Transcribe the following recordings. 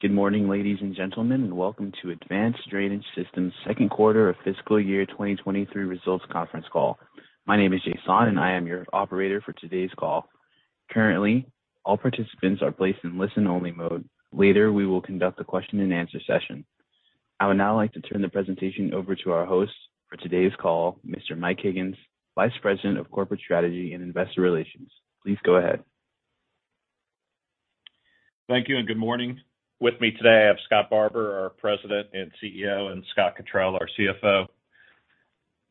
Good morning, ladies and gentlemen, and welcome to Advanced Drainage Systems' Q2 of fiscal year 2023 results conference call. My name is Jason, and I am your operator for today's call. Currently, all participants are placed in listen-only mode. Later, we will conduct a question-and-answer session. I would now like to turn the presentation over to our host for today's call, Mr. Mike Higgins, Vice President of Corporate Strategy and Investor Relations. Please go ahead. Thank you and good morning. With me today, I have Scott Barbour, our President and CEO, and Scott Cottrill, our CFO.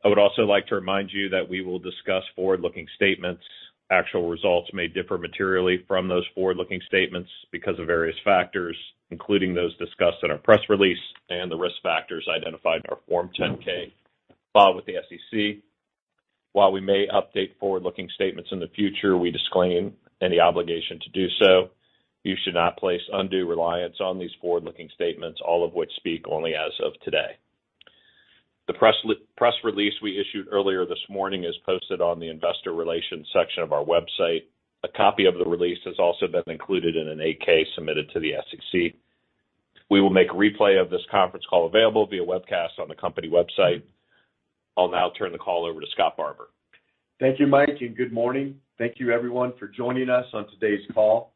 I would also like to remind you that we will discuss forward-looking statements. Actual results may differ materially from those forward-looking statements because of various factors, including those discussed in our press release and the risk factors identified in our Form 10-K filed with the SEC. While we may update forward-looking statements in the future, we disclaim any obligation to do so. You should not place undue reliance on these forward-looking statements, all of which speak only as of today. The press release we issued earlier this morning is posted on the investor relations section of our website. A copy of the release has also been included in an 8-K submitted to the SEC. We will make a replay of this conference call available via webcast on the company website. I'll now turn the call over to Scott Barbour. Thank you, Mike, and good morning. Thank you, everyone, for joining us on today's call.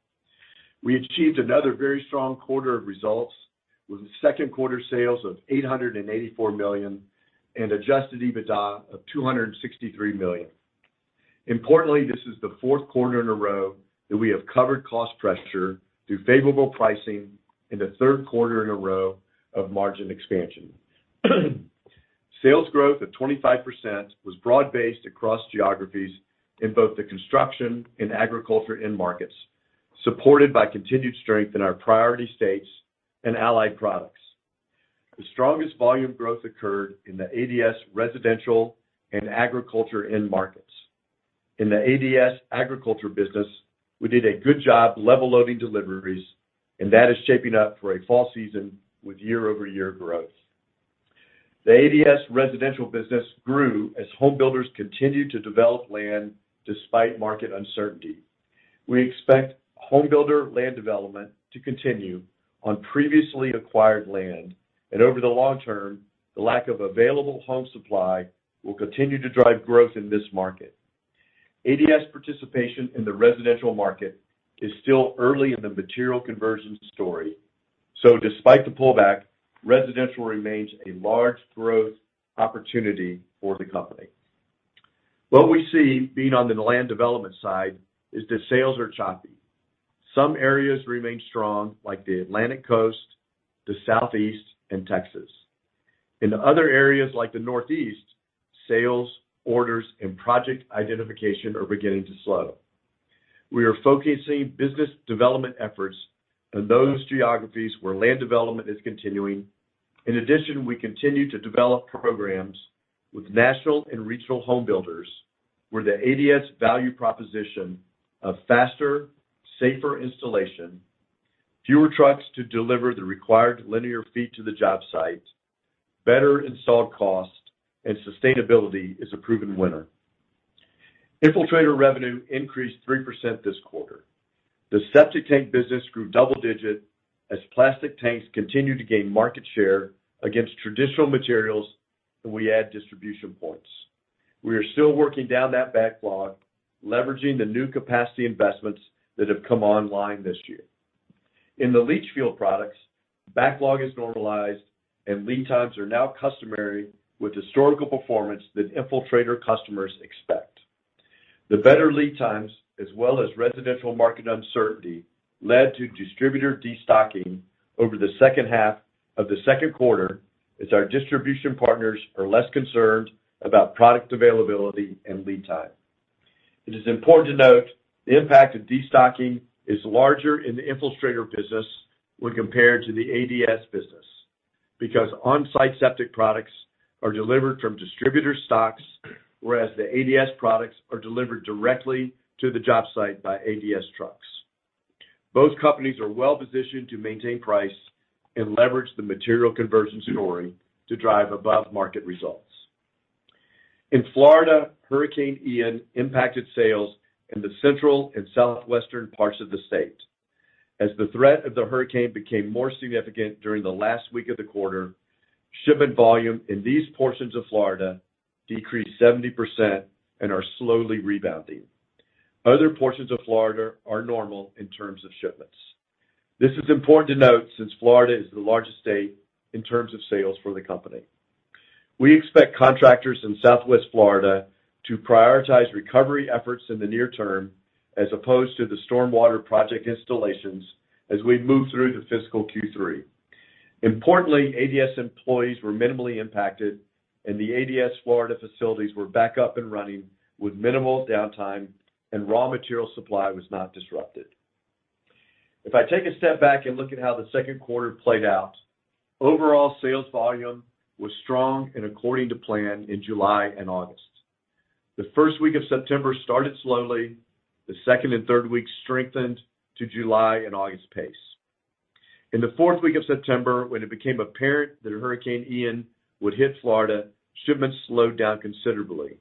We achieved another very strong quarter of results with Q2 sales of $884 million and Adjusted EBITDA of $263 million. Importantly, this is the Q4 in a row that we have covered cost pressure through favorable pricing and the Q3 in a row of margin expansion. Sales growth of 25% was broad-based across geographies in both the construction and agriculture end markets, supported by continued strength in our priority states and Allied Products. The strongest volume growth occurred in the ADS residential and agriculture end markets. In the ADS agriculture business, we did a good job level loading deliveries, and that is shaping up for a fall season with year-over-year growth. The ADS residential business grew as homebuilders continued to develop land despite market uncertainty. We expect homebuilder land development to continue on previously acquired land. Over the long term, the lack of available home supply will continue to drive growth in this market. ADS participation in the residential market is still early in the material conversion story. Despite the pullback, residential remains a large growth opportunity for the company. What we see being on the land development side is that sales are choppy. Some areas remain strong, like the Atlantic Coast, the Southeast, and Texas. In other areas like the Northeast, sales, orders, and project identification are beginning to slow. We are focusing business development efforts on those geographies where land development is continuing. In addition, we continue to develop programs with national and regional homebuilders where the ADS value proposition of faster, safer installation, fewer trucks to deliver the required linear feet to the job site, better installed cost, and sustainability is a proven winner. Infiltrator revenue increased 3% this quarter. The septic tank business grew double-digit as plastic tanks continued to gain market share against traditional materials, and we add distribution points. We are still working down that backlog, leveraging the new capacity investments that have come online this year. In the leach field products, backlog is normalized, and lead times are now customary with historical performance that Infiltrator customers expect. The better lead times, as well as residential market uncertainty, led to distributor destocking over the second half of the Q2 as our distribution partners are less concerned about product availability and lead time. It is important to note the impact of destocking is larger in the Infiltrator business when compared to the ADS business because on-site septic products are delivered from distributor stocks, whereas the ADS products are delivered directly to the job site by ADS trucks. Both companies are well-positioned to maintain price and leverage the material conversion story to drive above-market results. In Florida, Hurricane Ian impacted sales in the central and southwestern parts of the state. As the threat of the hurricane became more significant during the last week of the quarter, shipment volume in these portions of Florida decreased 70% and are slowly rebounding. Other portions of Florida are normal in terms of shipments. This is important to note since Florida is the largest state in terms of sales for the company. We expect contractors in Southwest Florida to prioritize recovery efforts in the near term as opposed to the stormwater project installations as we move through the fiscal Q3. Importantly, ADS employees were minimally impacted, and the ADS Florida facilities were back up and running with minimal downtime and raw material supply was not disrupted. If I take a step back and look at how the Q2 played out, overall sales volume was strong and according to plan in July and August. The first week of September started slowly. The second and third week strengthened to July and August pace. In the fourth week of September, when it became apparent that Hurricane Ian would hit Florida, shipments slowed down considerably.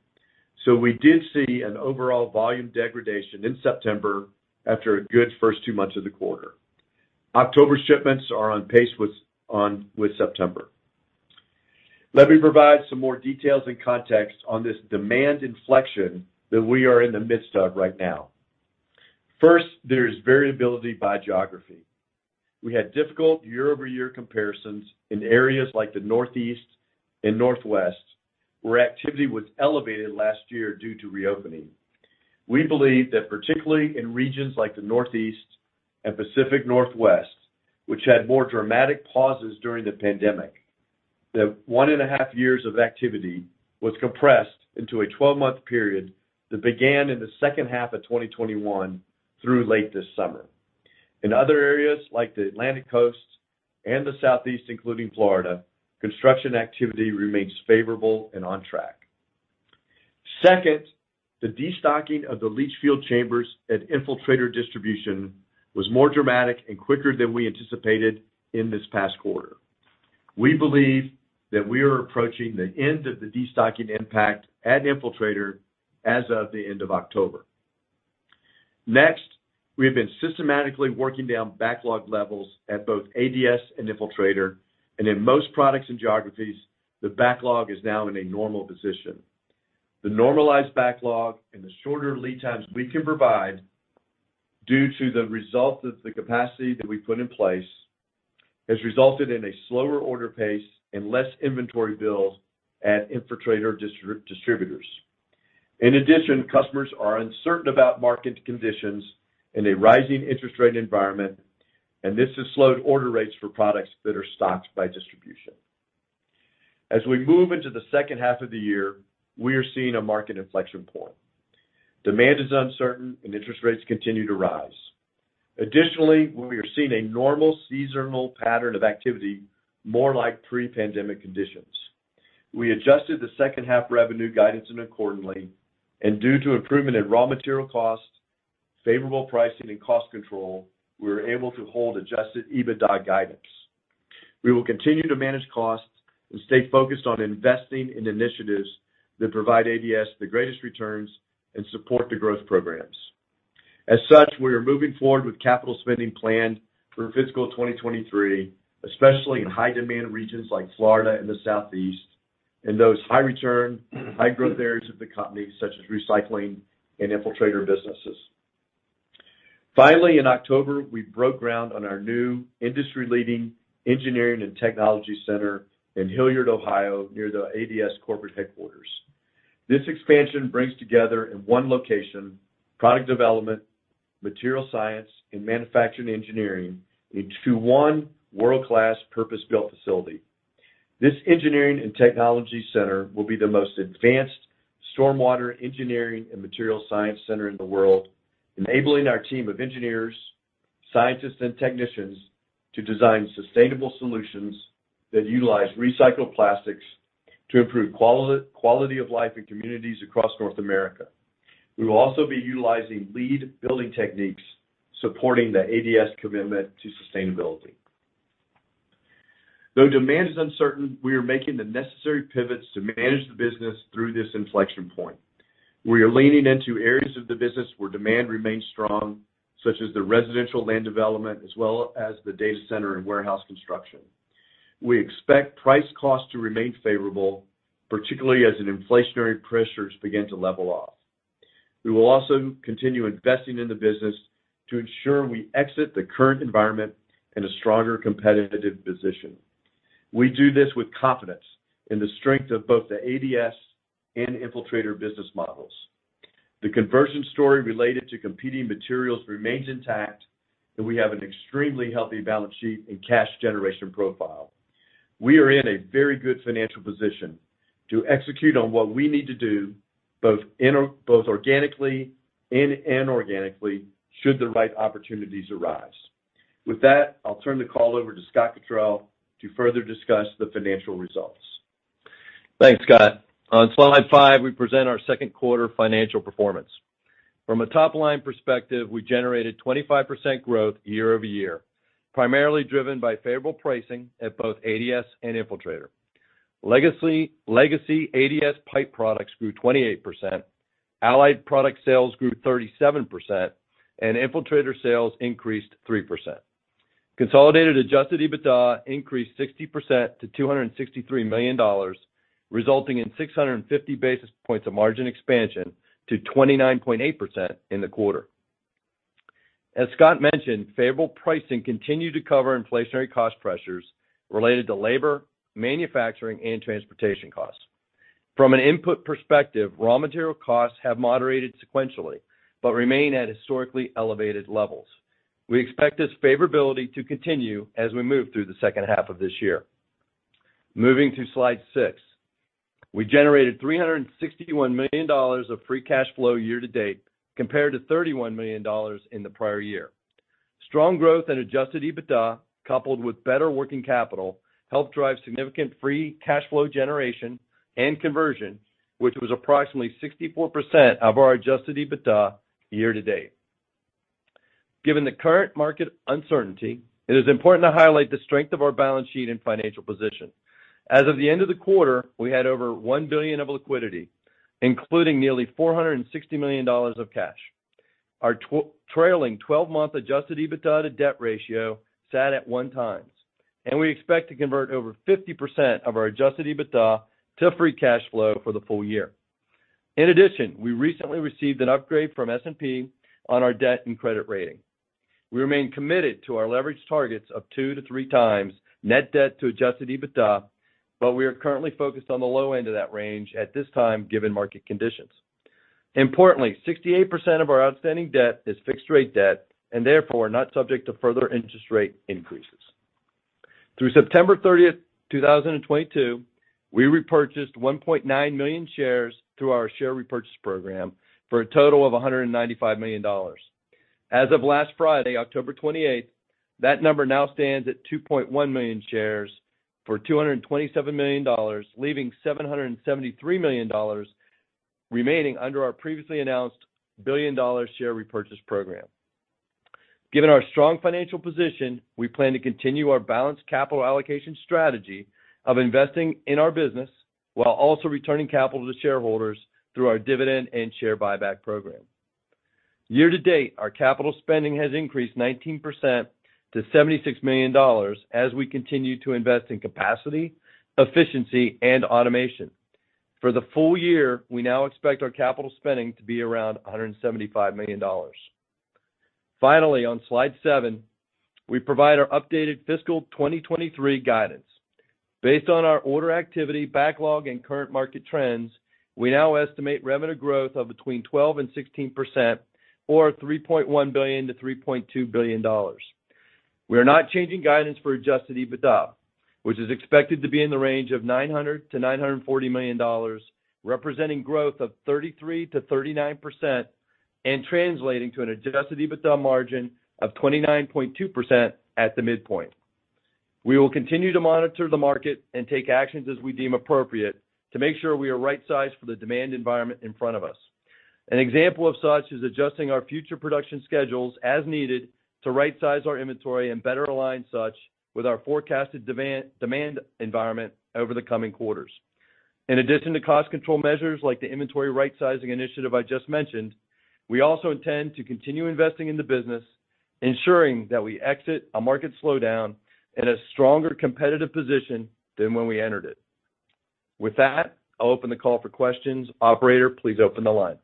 So we did see an overall volume degradation in September after a good first two months of the quarter. October shipments are on pace with September. Let me provide some more details and context on this demand inflection that we are in the midst of right now. First, there is variability by geography. We had difficult year-over-year comparisons in areas like the Northeast and Northwest, where activity was elevated last year due to reopening. We believe that particularly in regions like the Northeast and Pacific Northwest, which had more dramatic pauses during the pandemic, that 1.5 years of activity was compressed into a 12-month period that began in the second half of 2021 through late this summer. In other areas like the Atlantic Coast and the Southeast, including Florida, construction activity remains favorable and on track. Second, the destocking of the leach field chambers at Infiltrator distribution was more dramatic and quicker than we anticipated in this past quarter. We believe that we are approaching the end of the destocking impact at Infiltrator as of the end of October. Next, we have been systematically working down backlog levels at both ADS and Infiltrator, and in most products and geographies, the backlog is now in a normal position. The normalized backlog and the shorter lead times we can provide due to the result of the capacity that we put in place has resulted in a slower order pace and less inventory builds at Infiltrator distributors. In addition, customers are uncertain about market conditions in a rising interest rate environment, and this has slowed order rates for products that are stocked by distribution. As we move into the second half of the year, we are seeing a market inflection point. Demand is uncertain, and interest rates continue to rise. Additionally, we are seeing a normal seasonal pattern of activity more like pre-pandemic conditions. We adjusted the second half revenue guidance and accordingly, and due to improvement in raw material costs, favorable pricing and cost control, we were able to hold Adjusted EBITDA guidance. We will continue to manage costs and stay focused on investing in initiatives that provide ADS the greatest returns and support the growth programs. As such, we are moving forward with capital spending plan for fiscal 2023, especially in high demand regions like Florida and the Southeast, and those high return, high growth areas of the company such as recycling and Infiltrator businesses. Finally, in October, we broke ground on our new industry-leading engineering and technology center in Hilliard, Ohio, near the ADS corporate headquarters. This expansion brings together in one location, product development, material science, and manufacturing engineering into one world-class purpose-built facility. This engineering and technology center will be the most advanced stormwater engineering and material science center in the world, enabling our team of engineers, scientists, and technicians to design sustainable solutions that utilize recycled plastics to improve quality of life in communities across North America. We will also be utilizing LEED building techniques supporting the ADS commitment to sustainability. Though demand is uncertain, we are making the necessary pivots to manage the business through this inflection point. We are leaning into areas of the business where demand remains strong, such as the residential land development as well as the data center and warehouse construction. We expect price cost to remain favorable, particularly as inflationary pressures begin to level off. We will also continue investing in the business to ensure we exit the current environment in a stronger competitive position. We do this with confidence in the strength of both the ADS and Infiltrator business models. The conversion story related to competing materials remains intact, and we have an extremely healthy balance sheet and cash generation profile. We are in a very good financial position to execute on what we need to do both organically and inorganically should the right opportunities arise. With that, I'll turn the call over to Scott Cottrill to further discuss the financial results. Thanks, Scott. On slide five, we present our Q2 financial performance. From a top-line perspective, we generated 25% growth year-over-year, primarily driven by favorable pricing at both ADS and Infiltrator. Legacy ADS pipe products grew 28%, Allied product sales grew 37%, and Infiltrator sales increased 3%. Consolidated adjusted EBITDA increased 60% to $263 million, resulting in 650 basis points of margin expansion to 29.8% in the quarter. As Scott mentioned, favorable pricing continued to cover inflationary cost pressures related to labor, manufacturing, and transportation costs. From an input perspective, raw material costs have moderated sequentially, but remain at historically elevated levels. We expect this favorability to continue as we move through the second half of this year. Moving to slide 6. We generated $361 million of free cash flow year to date compared to $31 million in the prior year. Strong growth and adjusted EBITDA, coupled with better working capital, helped drive significant free cash flow generation and conversion, which was approximately 64% of our adjusted EBITDA year to date. Given the current market uncertainty, it is important to highlight the strength of our balance sheet and financial position. As of the end of the quarter, we had over $1 billion of liquidity, including nearly $460 million of cash. Our trailing twelve-month adjusted EBITDA debt ratio sat at 1x, and we expect to convert over 50% of our adjusted EBITDA to free cash flow for the full year. In addition, we recently received an upgrade from S&P on our debt and credit rating. We remain committed to our leverage targets of two to three times net debt to Adjusted EBITDA, but we are currently focused on the low end of that range at this time, given market conditions. Importantly, 68% of our outstanding debt is fixed rate debt and therefore not subject to further interest rate increases. Through September 30, 2022, we repurchased 1.9 million shares through our share repurchase program for a total of $195 million. As of last Friday, October 28, that number now stands at 2.1 million shares for $227 million, leaving $773 million remaining under our previously announced billion-dollar share repurchase program. Given our strong financial position, we plan to continue our balanced capital allocation strategy of investing in our business while also returning capital to shareholders through our dividend and share buyback program. Year to date, our capital spending has increased 19% to $76 million as we continue to invest in capacity, efficiency, and automation. For the full year, we now expect our capital spending to be around $175 million. Finally, on slide seven, we provide our updated fiscal 2023 guidance. Based on our order activity, backlog, and current market trends, we now estimate revenue growth of between 12% and 16% or $3.1 billion to $3.2 billion. We are not changing guidance for Adjusted EBITDA, which is expected to be in the range of $900 million-$940 million, representing growth of 33%-39% and translating to an Adjusted EBITDA margin of 29.2% at the midpoint. We will continue to monitor the market and take actions as we deem appropriate to make sure we are right sized for the demand environment in front of us. An example of such is adjusting our future production schedules as needed to right size our inventory and better align such with our forecasted demand environment over the coming quarters. In addition to cost control measures like the inventory right sizing initiative I just mentioned, we also intend to continue investing in the business, ensuring that we exit a market slowdown in a stronger competitive position than when we entered it. With that, I'll open the call for questions. Operator, please open the line.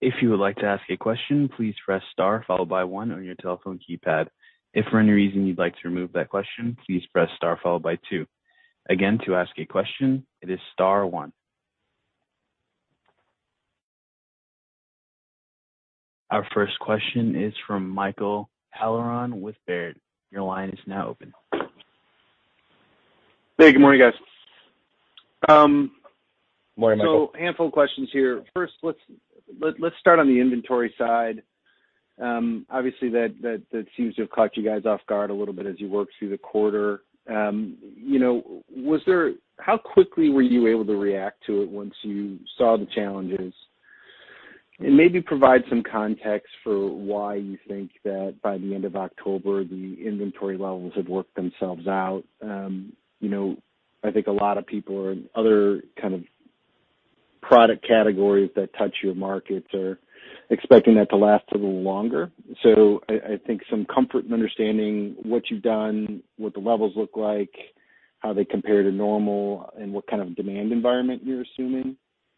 If you would like to ask a question, please press star followed by one on your telephone keypad. If for any reason you'd like to remove that question, please press star followed by two. Again, to ask a question, it is star one. Our first question is from Michael Halloran with Baird. Your line is now open. Hey, good morning, guys. Morning, Michael. A handful of questions here. First, let's start on the inventory side. Obviously that seems to have caught you guys off guard a little bit as you worked through the quarter. You know, how quickly were you able to react to it once you saw the challenges? Maybe provide some context for why you think that by the end of October, the inventory levels have worked themselves out. You know, I think a lot of people or other kind of product categories that touch your markets are expecting that to last a little longer. I think some comfort in understanding what you've done, what the levels look like, how they compare to normal, and what kind of demand environment you're assuming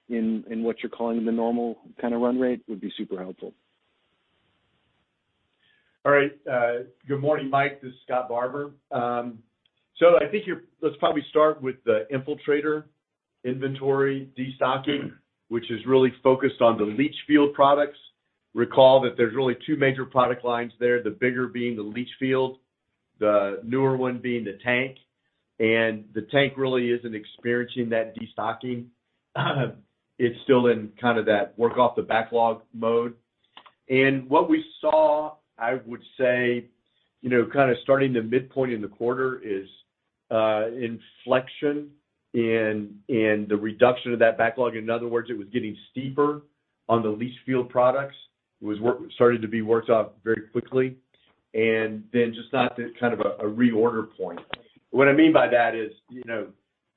in what you're calling the normal kinda run rate would be super helpful. All right. Good morning, Mike. This is Scott Barbour. So I think let's probably start with the Infiltrator inventory destocking, which is really focused on the leach field products. Recall that there's really two major product lines there, the bigger being the leach field, the newer one being the tank. The tank really isn't experiencing that destocking. It's still in kind of that work off the backlog mode. What we saw, I would say, you know, kinda starting to midpoint in the quarter is inflection in the reduction of that backlog. In other words, it was getting steeper on the leach field products. It started to be worked off very quickly and then just not the kind of a reorder point. What I mean by that is, you know,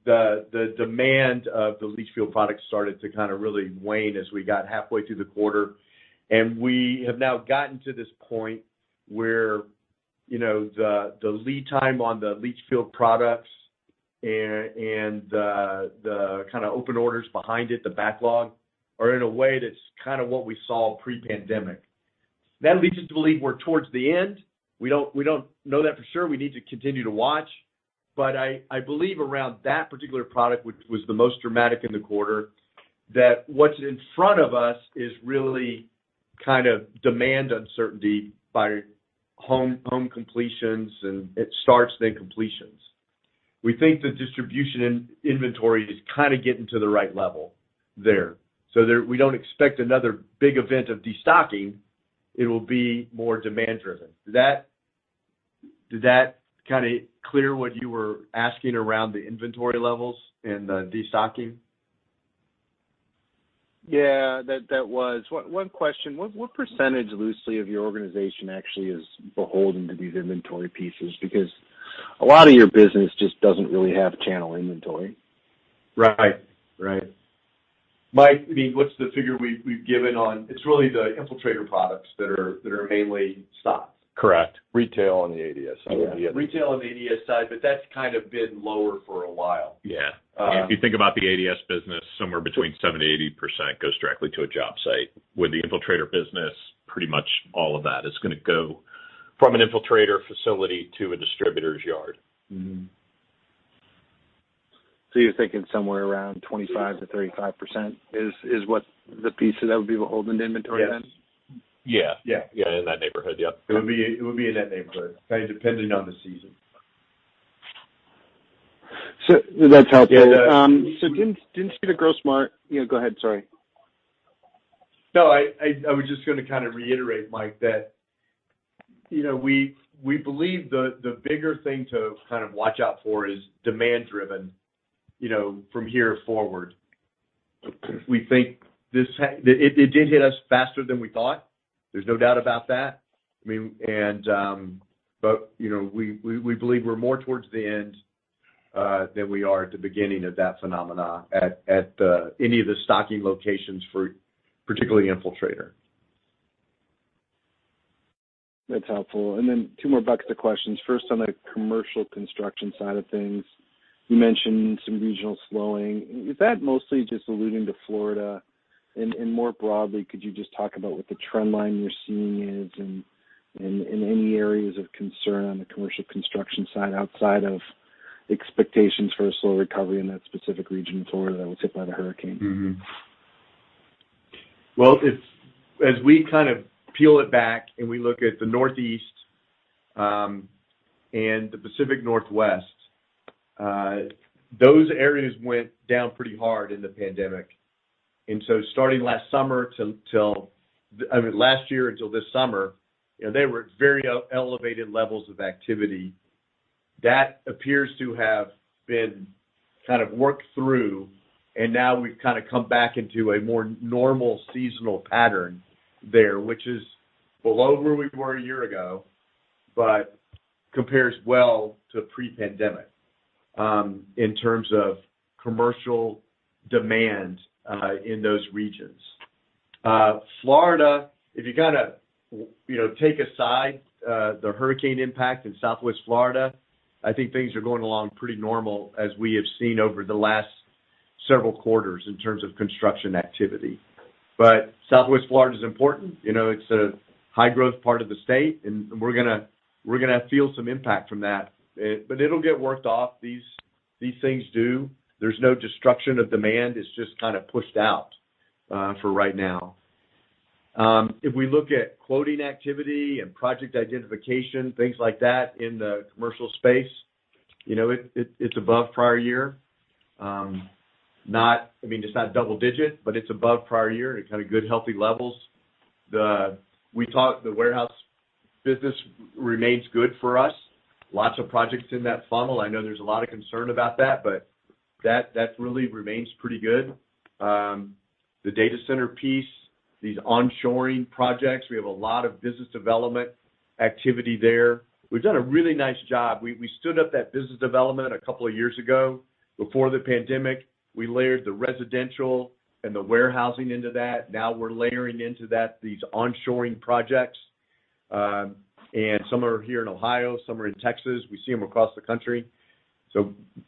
the demand of the leach field products started to kind of really wane as we got halfway through the quarter. We have now gotten to this point where, you know, the lead time on the leach field products and the kinda open orders behind it, the backlog are in a way that's kind of what we saw pre-pandemic. That leads us to believe we're towards the end. We don't know that for sure. We need to continue to watch. I believe around that particular product, which was the most dramatic in the quarter, that what's in front of us is really kind of demand uncertainty driven by home starts and completions. We think the distribution in inventory is kind of getting to the right level there. There, we don't expect another big event of destocking. It will be more demand driven. Did that kinda clear what you were asking around the inventory levels and the destocking? Yeah, that was one question. What percentage loosely of your organization actually is beholden to these inventory pieces? Because a lot of your business just doesn't really have channel inventory. Right. Mike, I mean, what's the figure we've given on? It's really the Infiltrator products that are mainly stocked. Correct. Retail on the ADS side would be. Retail on the ADS side, but that's kind of been lower for a while. Yeah. Um- If you think about the ADS business, somewhere between 70%-80% goes directly to a job site. With the Infiltrator business, pretty much all of that is gonna go from an Infiltrator facility to a distributor's yard. You're thinking somewhere around 25%-35% is what the piece that would be beholden to inventory then? Yes. Yeah. Yeah. Yeah, in that neighborhood. Yeah. It would be in that neighborhood, kind of depending on the season. That's helpful. Yeah. Didn't see. You know, go ahead, sorry. No, I was just gonna kinda reiterate, Mike, that, you know, we believe the bigger thing to kind of watch out for is demand driven, you know, from here forward. We think it did hit us faster than we thought. There's no doubt about that. I mean, but, you know, we believe we're more towards the end than we are at the beginning of that phenomenon at any of the stocking locations for particularly Infiltrator. That's helpful. Two more buckets of questions. First, on the commercial construction side of things, you mentioned some regional slowing. Is that mostly just alluding to Florida? More broadly, could you just talk about what the trend line you're seeing is and any areas of concern on the commercial construction side outside of expectations for a slow recovery in that specific region of Florida that was hit by the hurricane? Mm-hmm. Well, as we kind of peel it back and we look at the Northeast and the Pacific Northwest, those areas went down pretty hard in the pandemic. Starting last summer till last year until this summer, you know, they were at very elevated levels of activity. That appears to have been kind of worked through, and now we've kind of come back into a more normal seasonal pattern there, which is below where we were a year ago, but compares well to pre-pandemic in terms of commercial demand in those regions. Florida, if you kinda, you know, take aside the hurricane impact in Southwest Florida, I think things are going along pretty normal as we have seen over the last several quarters in terms of construction activity. Southwest Florida is important. You know, it's a high growth part of the state, and we're gonna feel some impact from that. But it'll get worked off. These things do. There's no destruction of demand. It's just kind of pushed out for right now. If we look at quoting activity and project identification, things like that in the commercial space, you know, it's above prior year. I mean, it's not double digit, but it's above prior year and kind of good, healthy levels. We thought the warehouse business remains good for us. Lots of projects in that funnel. I know there's a lot of concern about that, but that really remains pretty good. The data center piece, these onshoring projects, we have a lot of business development activity there. We've done a really nice job. We stood up that business development a couple of years ago before the pandemic. We layered the residential and the warehousing into that. Now we're layering into that, these onshoring projects. Some are here in Ohio, some are in Texas. We see them across the country.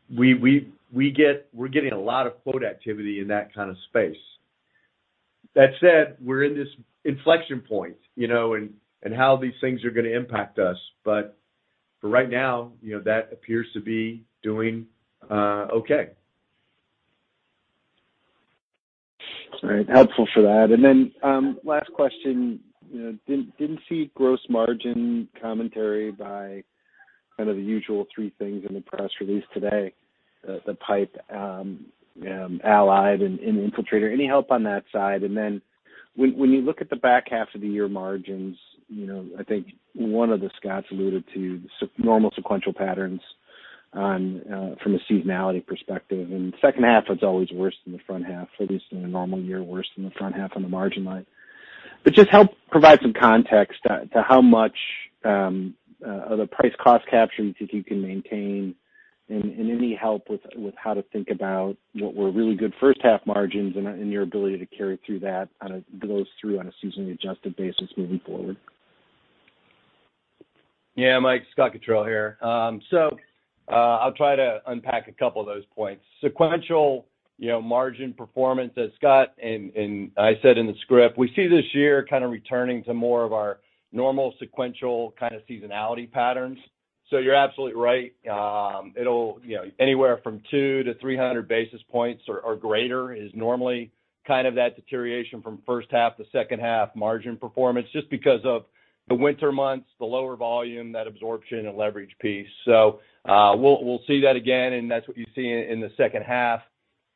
We're getting a lot of quote activity in that kind of space. That said, we're in this inflection point, you know, and how these things are gonna impact us. For right now, you know, that appears to be doing okay. All right. Helpful for that. Last question. You know, didn't see gross margin commentary by kind of the usual three things in the press release today, the pipe, Allied and Infiltrator. Any help on that side? Then when you look at the back half of the year margins, you know, I think one of the Scotts alluded to normal sequential patterns on, from a seasonality perspective. Second half is always worse than the front half, at least in a normal year, worse than the front half on the margin line. Just help provide some context to how much the price cost capture you think you can maintain and any help with how to think about what were really good first half margins and your ability to carry through that kind of goes through on a seasonally adjusted basis moving forward. Yeah, Mike, Scott Cottrill here. I'll try to unpack a couple of those points. Sequential, you know, margin performance, as Scott and I said in the script, we see this year kind of returning to more of our normal sequential kind of seasonality patterns. You're absolutely right. It'll, you know, anywhere from 200-300 basis points or greater is normally kind of that deterioration from first half to second half margin performance, just because of the winter months, the lower volume, that absorption and leverage piece. We'll see that again, and that's what you see in the second half.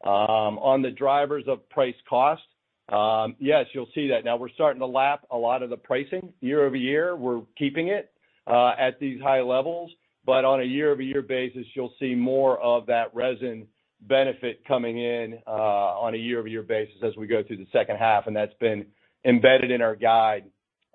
On the drivers of price cost, yes, you'll see that. Now we're starting to lap a lot of the pricing year-over-year. We're keeping it at these high levels, but on a year-over-year basis, you'll see more of that resin benefit coming in on a year-over-year basis as we go through the second half, and that's been embedded in our guide.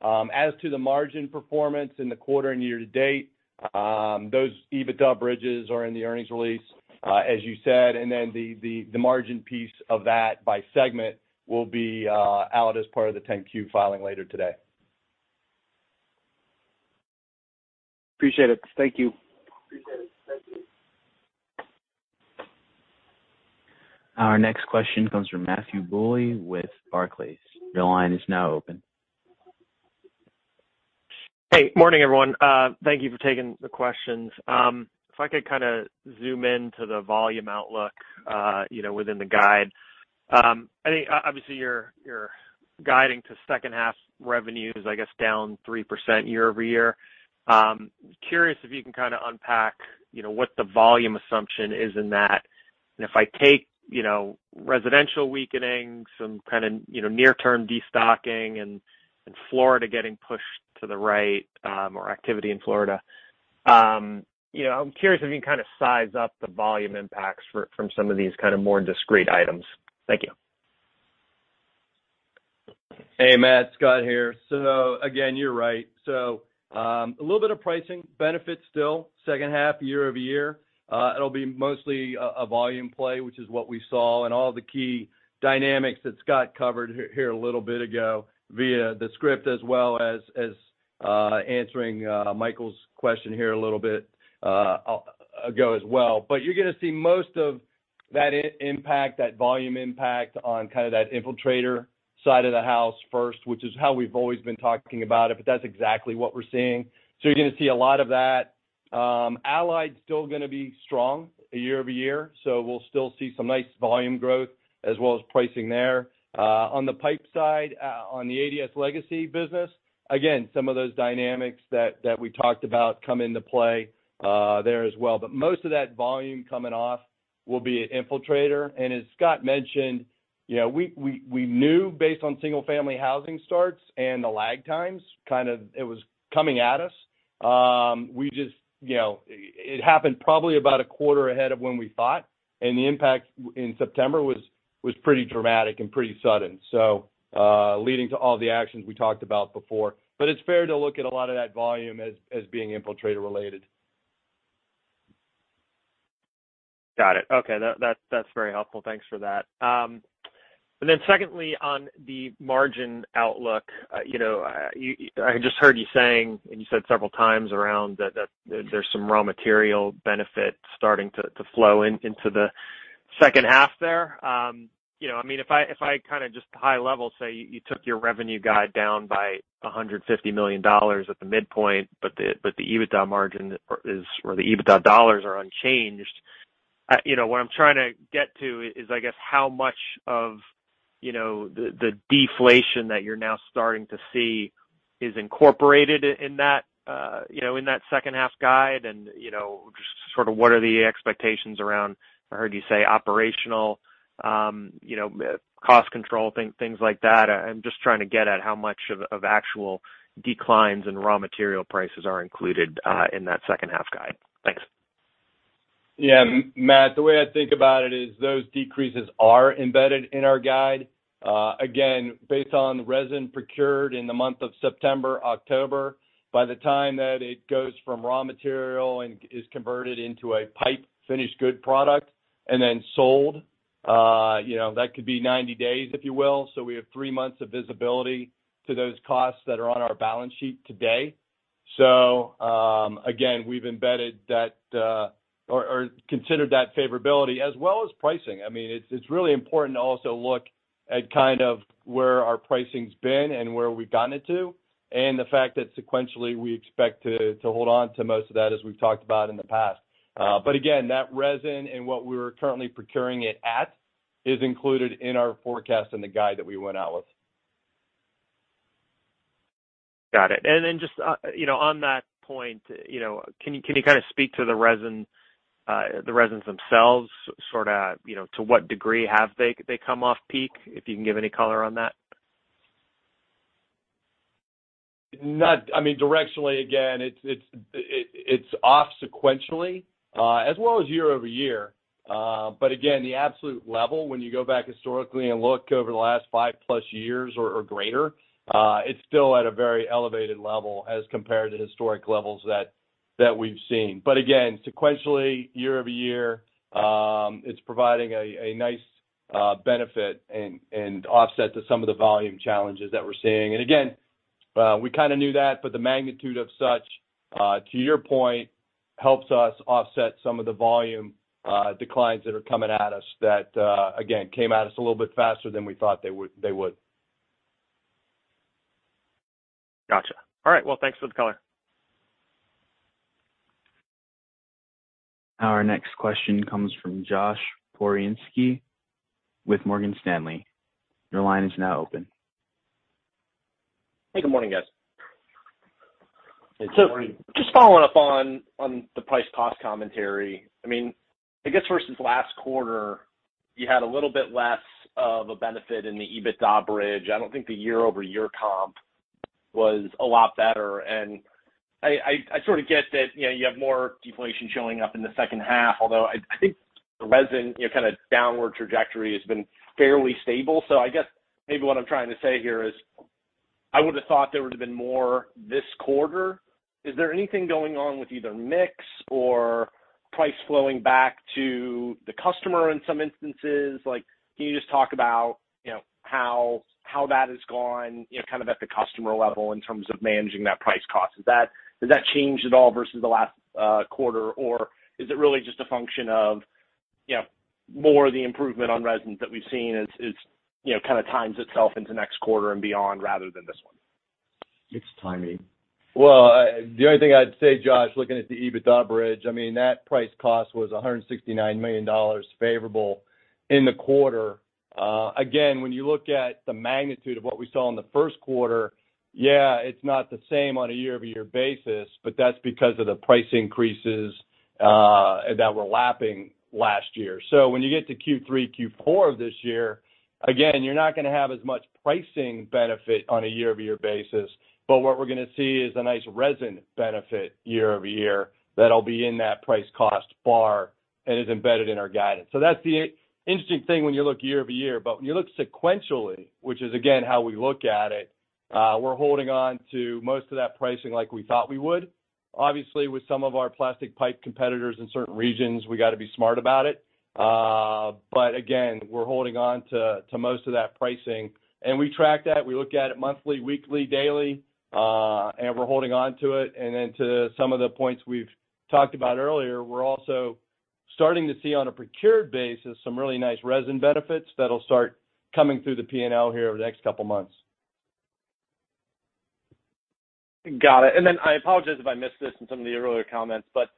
As to the margin performance in the quarter and year to date, those EBITDA bridges are in the earnings release, as you said, and then the margin piece of that by segment will be out as part of the 10-Q filing later today. Appreciate it. Thank you. Our next question comes from Matthew Bouley with Barclays. Your line is now open. Hey. Morning, everyone. Thank you for taking the questions. If I could kinda zoom in to the volume outlook, you know, within the guide, I think obviously, you're guiding to second half revenues, I guess, down 3% year-over-year. Curious if you can kinda unpack, you know, what the volume assumption is in that. If I take, you know, residential weakening, some kind of, you know, near-term destocking and Florida getting pushed to the right, or activity in Florida, you know, I'm curious if you can kind of size up the volume impacts from some of these kind of more discrete items. Thank you. Hey, Matt, Scott here. Again, you're right. A little bit of pricing benefit still, second half year over year. It'll be mostly a volume play, which is what we saw and all the key dynamics that Scott covered here a little bit ago via the script, as well as answering Michael's question here a little bit ago as well. But you're gonna see most of that impact, that volume impact on kind of that Infiltrator side of the house first, which is how we've always been talking about it, but that's exactly what we're seeing. You're gonna see a lot of that. Allied's still gonna be strong year over year, so we'll still see some nice volume growth as well as pricing there. On the pipe side, on the ADS Legacy business, again, some of those dynamics that we talked about come into play there as well. Most of that volume coming off will be Infiltrator. As Scott mentioned, you know, we knew based on single-family housing starts and the lag times, kind of it was coming at us. We just, you know, it happened probably about a quarter ahead of when we thought, and the impact in September was pretty dramatic and pretty sudden, leading to all the actions we talked about before. It's fair to look at a lot of that volume as being Infiltrator related. Got it. Okay. That's very helpful. Thanks for that. Secondly, on the margin outlook, you know, you... I just heard you saying, and you said several times around that there's some raw material benefits starting to flow into the second half there. You know, I mean, if I kinda just high level say you took your revenue guide down by $150 million at the midpoint, but the EBITDA margin or the EBITDA dollars are unchanged, you know, what I'm trying to get to is, I guess, how much of, you know, the deflation that you're now starting to see is incorporated in that, you know, in that second half guide and, you know, just sort of what are the expectations around. I heard you say operational, you know, cost control, things like that. I'm just trying to get at how much of actual declines in raw material prices are included, in that second half guide. Thanks. Yeah. Matt, the way I think about it is those decreases are embedded in our guide. Again, based on resin procured in the month of September, October, by the time that it goes from raw material and is converted into a pipe finished good product and then sold, you know, that could be 90 days, if you will. We have three months of visibility to those costs that are on our balance sheet today. Again, we've embedded that, or considered that favorability as well as pricing. I mean, it's really important to also look at kind of where our pricing's been and where we've gotten it to, and the fact that sequentially, we expect to hold on to most of that as we've talked about in the past. Again, that resin and what we're currently procuring it at is included in our forecast and the guide that we went out with. Got it. Just, you know, on that point, you know, can you kind of speak to the resin, the resins themselves, sorta, you know, to what degree have they come off peak? If you can give any color on that. I mean, directionally, again, it's off sequentially, as well as year-over-year. Again, the absolute level when you go back historically and look over the last 5+ years or greater, it's still at a very elevated level as compared to historic levels that we've seen. Again, sequentially, year-over-year, it's providing a nice benefit and offset to some of the volume challenges that we're seeing. Again, we kinda knew that, but the magnitude of such, to your point, helps us offset some of the volume declines that are coming at us that, again, came at us a little bit faster than we thought they would. Gotcha. All right. Well, thanks for the color. Our next question comes from Josh Pokrzywinski with Morgan Stanley. Your line is now open. Hey, good morning, guys. Hey, good morning. Just following up on the price cost commentary. I mean, I guess versus last quarter, you had a little bit less of a benefit in the EBITDA bridge. I don't think the year-over-year comp was a lot better. I sort of get that, you know, you have more deflation showing up in the second half, although I think the resin, you know, kind of downward trajectory has been fairly stable. I guess maybe what I'm trying to say here is, I would've thought there would've been more this quarter. Is there anything going on with either mix or price flowing back to the customer in some instances? Like, can you just talk about, you know, how that has gone, you know, kind of at the customer level in terms of managing that price cost? Did that change at all versus the last quarter? Or is it really just a function of, you know, more of the improvement on resin that we've seen is, you know, kind of times itself into next quarter and beyond rather than this one? It's timing. Well, the only thing I'd say, Josh, looking at the EBITDA bridge, I mean, that price cost was $169 million favorable in the quarter. Again, when you look at the magnitude of what we saw in the Q1, yeah, it's not the same on a year-over-year basis, but that's because of the price increases that we're lapping last year. When you get to Q3, Q4 of this year, again, you're not gonna have as much pricing benefit on a year-over-year basis. But what we're gonna see is a nice resin benefit year-over-year that'll be in that price cost bar and is embedded in our guidance. That's the interesting thing when you look year-over-year. But when you look sequentially, which is again how we look at it, we're holding on to most of that pricing like we thought we would. Obviously, with some of our plastic pipe competitors in certain regions, we gotta be smart about it. Again, we're holding on to most of that pricing. We track that. We look at it monthly, weekly, daily, and we're holding on to it. To some of the points we've talked about earlier, we're also starting to see on a procured basis some really nice resin benefits that'll start coming through the P&L here over the next couple months. Got it. I apologize if I missed this in some of the earlier comments, but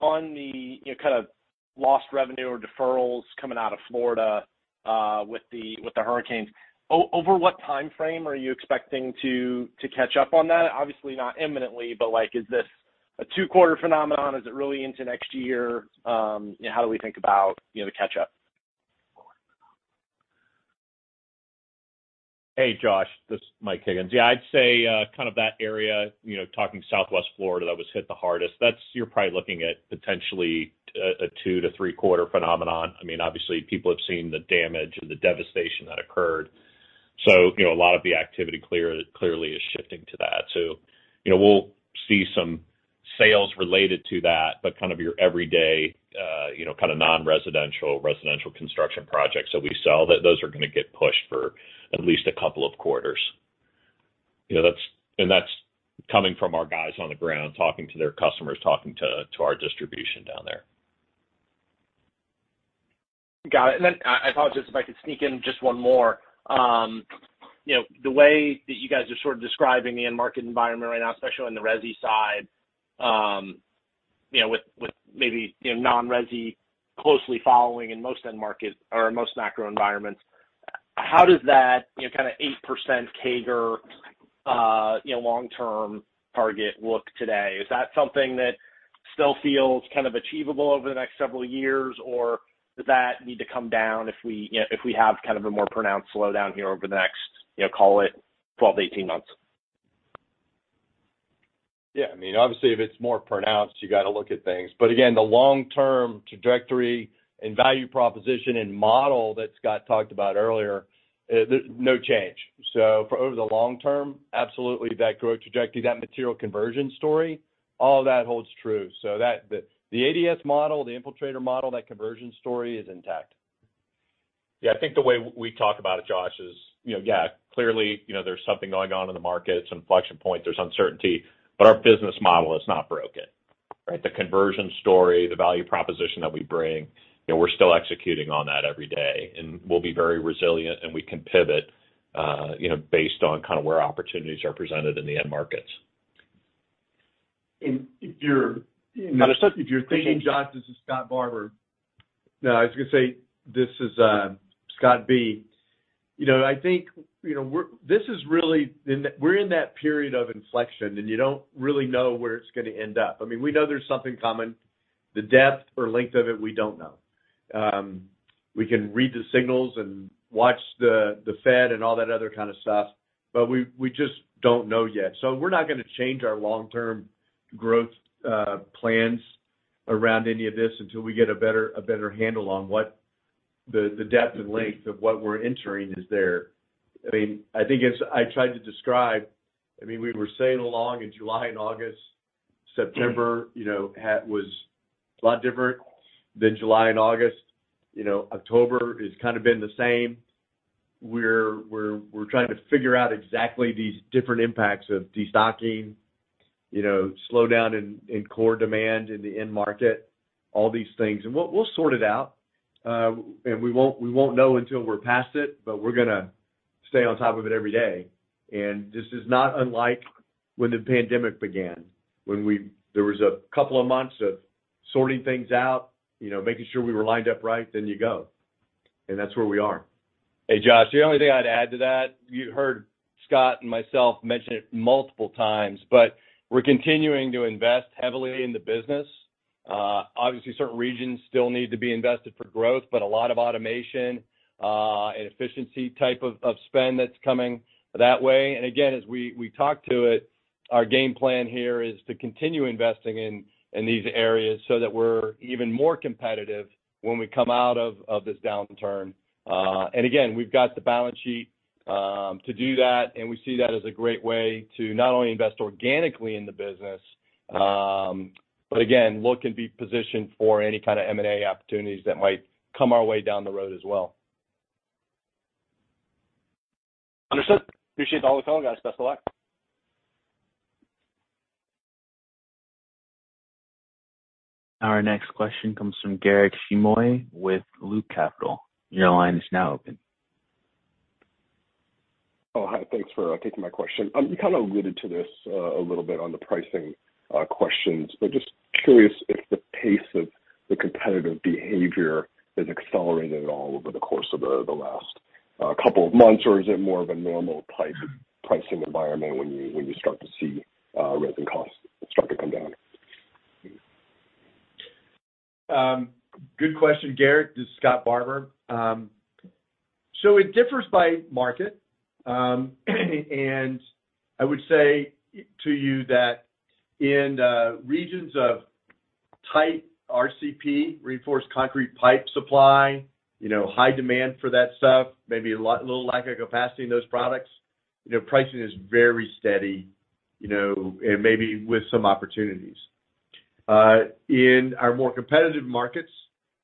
on the, you know, kind of lost revenue or deferrals coming out of Florida, with the hurricanes, over what timeframe are you expecting to catch up on that? Obviously, not imminently, but, like, is this a two-quarter phenomenon? Is it really into next year? You know, how do we think about, you know, the catch-up? Hey, Josh, this is Mike Higgins. Yeah, I'd say kind of that area, you know, talking Southwest Florida that was hit the hardest. That's. You're probably looking at potentially a 2-3 quarter phenomenon. I mean, obviously people have seen the damage and the devastation that occurred. You know, a lot of the activity clearly is shifting to that. You know, we'll see some sales related to that, but kind of your everyday, you know, kind of non-residential, residential construction projects that we sell, those are gonna get pushed for at least a couple of quarters. You know, that's coming from our guys on the ground talking to their customers, talking to our distribution down there. Got it. Then I apologize if I could sneak in just one more. You know, the way that you guys are sort of describing the end market environment right now, especially on the resi side, you know, with maybe, you know, non-resi closely following in most end market or most macro environments, how does that, you know, kind of 8% CAGR, you know, long-term target look today? Is that something that still feels kind of achievable over the next several years, or does that need to come down if we, you know, if we have kind of a more pronounced slowdown here over the next, you know, call it 12-18 months? Yeah. I mean, obviously, if it's more pronounced, you gotta look at things. Again, the long-term trajectory and value proposition and model that Scott talked about earlier, there's no change. For over the long term, absolutely that growth trajectory, that material conversion story, all that holds true. The ADS model, the Infiltrator model, that conversion story is intact. Yeah. I think the way we talk about it, Josh, is, you know, yeah, clearly, you know, there's something going on in the market, some inflection point, there's uncertainty, but our business model is not broken, right? The conversion story, the value proposition that we bring, you know, we're still executing on that every day, and we'll be very resilient, and we can pivot, you know, based on kind of where opportunities are presented in the end markets. And if you're- Understood. Okay... if you're thinking, Josh, this is Scott Barbour. No, I was gonna say, this is Scott B. You know, I think, you know, we're in that period of inflection, and you don't really know where it's gonna end up. I mean, we know there's something coming. The depth or length of it, we don't know. We can read the signals and watch the Fed and all that other kind of stuff, but we just don't know yet. We're not gonna change our long-term growth plans around any of this until we get a better handle on what the depth and length of what we're entering is there. I mean, I think as I tried to describe, I mean, we were sailing along in July and August. September, you know, was a lot different than July and August. You know, October has kind of been the same. We're trying to figure out exactly these different impacts of destocking, you know, slowdown in core demand in the end market, all these things. We'll sort it out. We won't know until we're past it, but we're gonna stay on top of it every day. This is not unlike when the pandemic began, when there was a couple of months of sorting things out, you know, making sure we were lined up right, then you go. That's where we are. Hey, Josh, the only thing I'd add to that, you heard Scott and myself mention it multiple times, but we're continuing to invest heavily in the business. Obviously, certain regions still need to be invested for growth, but a lot of automation and efficiency type of spend that's coming that way. Again, as we talk to it, our game plan here is to continue investing in these areas so that we're even more competitive when we come out of this downturn. Again, we've got the balance sheet to do that, and we see that as a great way to not only invest organically in the business, but again, look and be positioned for any kind of M&A opportunities that might come our way down the road as well. Understood. Appreciate all the color, guys. Best of luck. Our next question comes from Garik Shmois with Loop Capital. Your line is now open. Oh, hi. Thanks for taking my question. You kinda alluded to this a little bit on the pricing questions, but just curious if the pace of the competitive behavior has accelerated at all over the course of the last couple of months, or is it more of a normal type pricing environment when you start to see resin costs start to come down? Good question, Garrett. This is Scott Barbour. It differs by market. I would say to you that in regions of tight RCP, reinforced concrete pipe supply, you know, high demand for that stuff, maybe a little lack of capacity in those products. You know, pricing is very steady, you know, and maybe with some opportunities. In our more competitive markets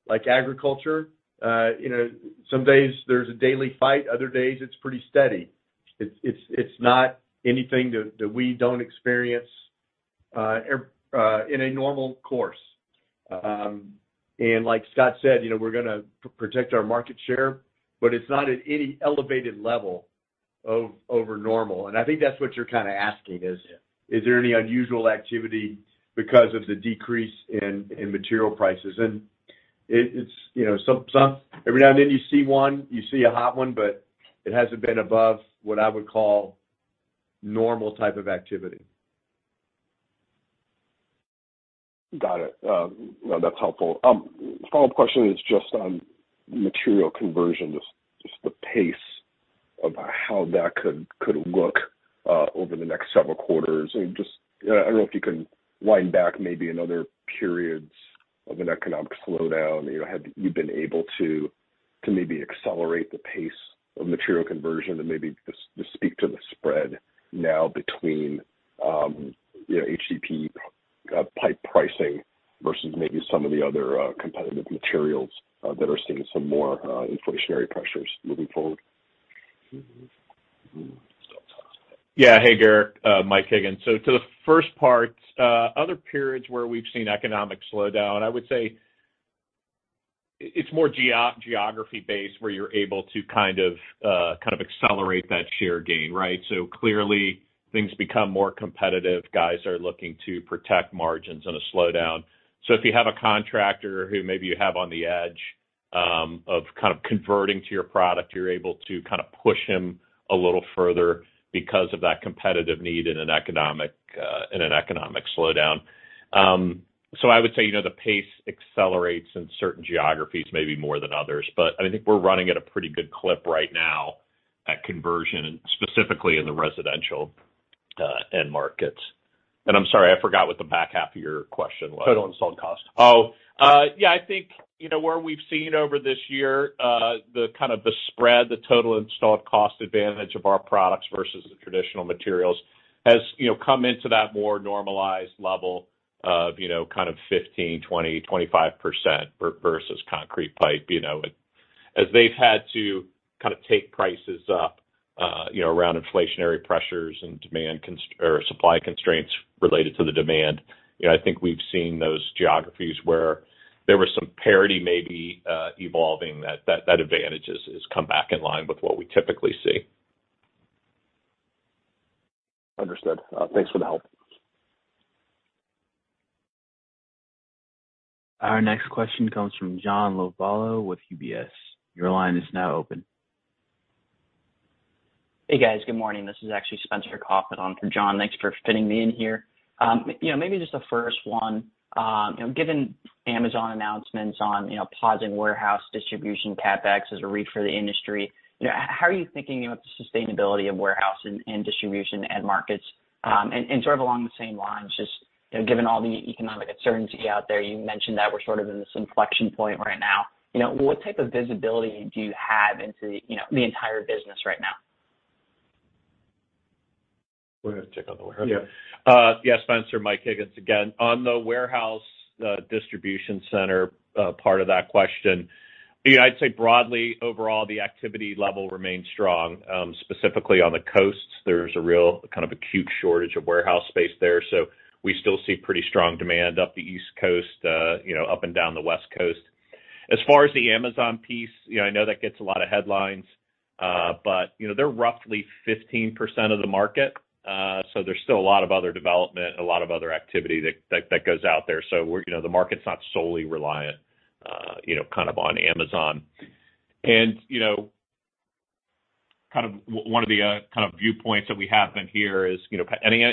like agriculture, you know, some days there's a daily fight, other days it's pretty steady. It's not anything that we don't experience in a normal course. Like Scott said, you know, we're gonna protect our market share, but it's not at any elevated level over normal. I think that's what you're kinda asking is there any unusual activity because of the decrease in material prices? It's, you know, some, every now and then you see one, you see a hot one, but it hasn't been above what I would call normal type of activity. Got it. No, that's helpful. Follow-up question is just on material conversion, just the pace of how that could look over the next several quarters. Just, I don't know if you can wind back maybe in other periods of an economic slowdown, you know, had you been able to maybe accelerate the pace of material conversion and maybe just speak to the spread now between, you know, HDPE pipe pricing versus maybe some of the other competitive materials that are seeing some more inflationary pressures moving forward. Scott, talk about that. Yeah. Hey, Garik, Mike Higgins. To the first part, other periods where we've seen economic slowdown, I would say it's more geography based, where you're able to kind of accelerate that share gain, right? Clearly, things become more competitive. Guys are looking to protect margins in a slowdown. If you have a contractor who maybe you have on the edge of kind of converting to your product, you're able to kind of push him a little further because of that competitive need in an economic slowdown. I would say, you know, the pace accelerates in certain geographies maybe more than others. I think we're running at a pretty good clip right now at conversion, and specifically in the residential end markets. I'm sorry, I forgot what the back half of your question was. Total installed cost. Yeah, I think, you know, where we've seen over this year, the kind of the spread, the total installed cost advantage of our products versus the traditional materials has, you know, come into that more normalized level of, you know, kind of 15, 20, 25% versus concrete pipe, you know. As they've had to kind of take prices up, you know, around inflationary pressures and demand or supply constraints related to the demand, you know, I think we've seen those geographies where there was some parity maybe evolving, that advantage has come back in line with what we typically see. Understood. Thanks for the help. Our next question comes from John Lovallo with UBS. Your line is now open. Hey, guys. Good morning. This is actually Spencer Kaufman on for John. Thanks for fitting me in here. You know, maybe just the first one. You know, given Amazon announcements on, you know, pausing warehouse distribution CapEx as a read for the industry, you know, how are you thinking about the sustainability of warehouse and distribution end markets? And sort of along the same lines, just, you know, given all the economic uncertainty out there, you mentioned that we're sort of in this inflection point right now. You know, what type of visibility do you have into, you know, the entire business right now? Go ahead and take on the warehouse. Yes, Spencer, Mike Higgins again. On the warehouse distribution center, part of that question, you know, I'd say broadly overall the activity level remains strong. Specifically on the coasts, there's a real kind of acute shortage of warehouse space there. We still see pretty strong demand up the East Coast, you know, up and down the West Coast. As far as the Amazon piece, you know, I know that gets a lot of headlines. You know, they're roughly 15% of the market. There's still a lot of other development, a lot of other activity that goes out there. You know, the market's not solely reliant, you know, kind of on Amazon. You know, kind of one of the kind of viewpoints that we have in here is, you know,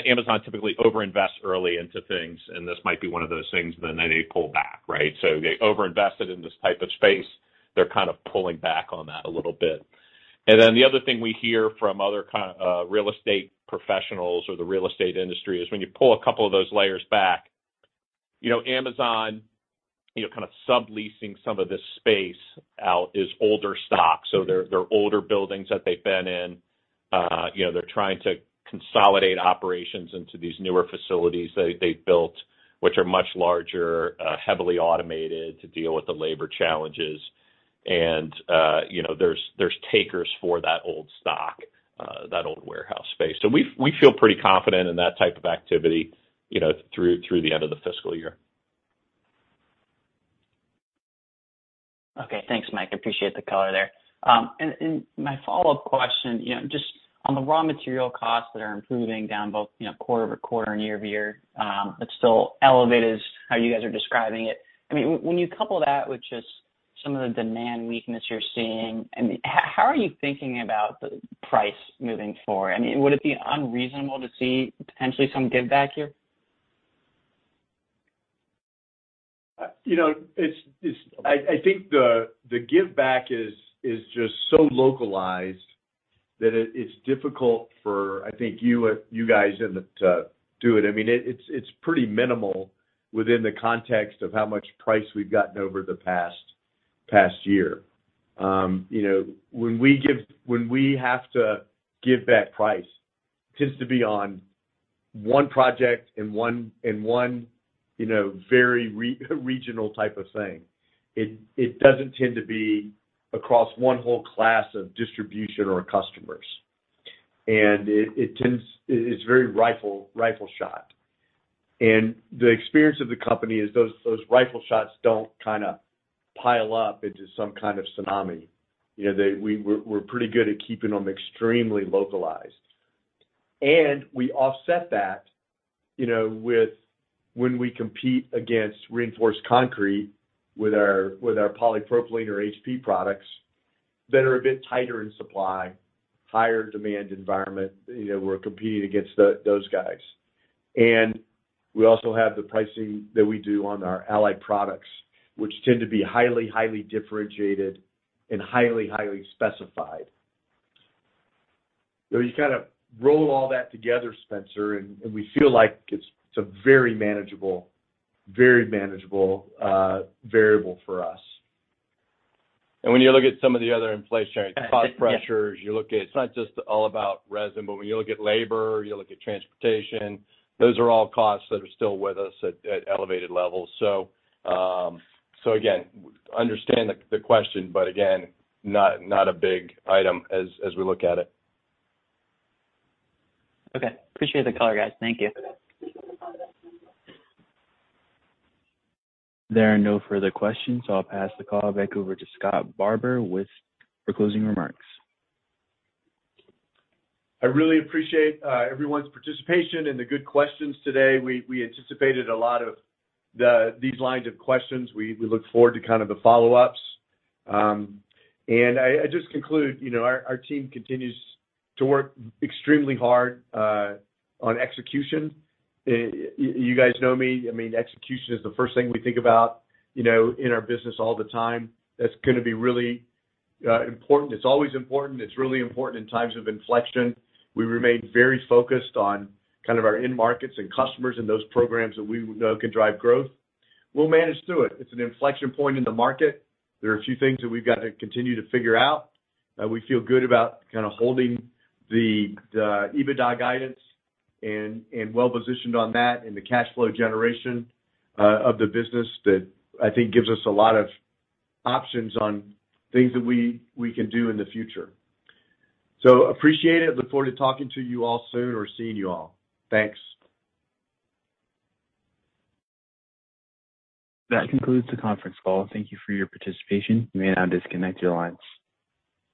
Amazon typically over-invest early into things, and this might be one of those things, then they pull back, right? They over-invested in this type of space. They're kind of pulling back on that a little bit. The other thing we hear from other kinds of real estate professionals or the real estate industry is when you pull a couple of those layers back, you know, Amazon you know kind of subleasing some of this space out is older stock. They're older buildings that they've been in. You know, they're trying to consolidate operations into these newer facilities they've built, which are much larger, heavily automated to deal with the labor challenges. You know, there's takers for that old stock, that old warehouse space. We feel pretty confident in that type of activity, you know, through the end of the fiscal year. Okay. Thanks, Mike. Appreciate the color there. My follow-up question, you know, just on the raw material costs that are improving down both, you know, quarter-over-quarter and year-over-year, but still elevated is how you guys are describing it. I mean, when you couple that with just some of the demand weakness you're seeing and how are you thinking about the price moving forward? I mean, would it be unreasonable to see potentially some giveback here? You know, I think the giveback is just so localized that it's difficult for you guys to do it. I mean, it's pretty minimal within the context of how much price we've gotten over the past year. You know, when we have to give back price, it tends to be on one project and one very regional type of thing. It doesn't tend to be across one whole class of distribution or customers. It tends, it's very rifle shot. The experience of the company is those rifle shots don't kind of pile up into some kind of tsunami. You know, we're pretty good at keeping them extremely localized. We offset that, you know, with when we compete against reinforced concrete with our polypropylene or HP Storm that are a bit tighter in supply, higher demand environment, you know, we're competing against those guys. We also have the pricing that we do on our Allied Products, which tend to be highly differentiated and highly specified. You kind of roll all that together, Spencer, and we feel like it's a very manageable variable for us. When you look at some of the other inflationary cost pressures, you look at it's not just all about resin, but when you look at labor, you look at transportation, those are all costs that are still with us at elevated levels. Again, understand the question, but again, not a big item as we look at it. Okay. Appreciate the color, guys. Thank you. There are no further questions. I'll pass the call back over to Scott Barbour for closing remarks. I really appreciate everyone's participation and the good questions today. We anticipated these lines of questions. We look forward to kind of the follow-ups. I just conclude, you know, our team continues to work extremely hard on execution. You guys know me, I mean, execution is the first thing we think about, you know, in our business all the time. That's gonna be really important. It's always important. It's really important in times of inflection. We remain very focused on kind of our end markets and customers and those programs that we know can drive growth. We'll manage through it. It's an inflection point in the market. There are a few things that we've got to continue to figure out. We feel good about kind of holding the EBITDA guidance and well-positioned on that and the cash flow generation of the business that I think gives us a lot of options on things that we can do in the future. Appreciate it. Look forward to talking to you all soon or seeing you all. Thanks. That concludes the conference call. Thank you for your participation. You may now disconnect your lines.